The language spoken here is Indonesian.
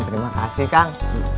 terima kasih kang